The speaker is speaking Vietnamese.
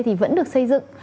thì vẫn được xây dựng